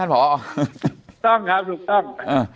ถูกต้องครับถูกต้อง